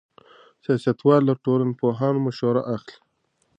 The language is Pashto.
سیاستوال له ټولنپوهانو مشوره اخلي.